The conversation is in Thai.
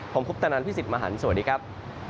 ผมคุณฟุตนันท์พี่สิทธิ์มหันต์สวัสดีครับ